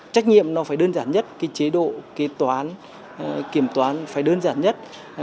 trách nhiệm nó phải đơn giản nhất cái chế độ kiểm toán phải đơn giản nhất